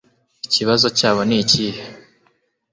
ikibazo cyabo ni ikihe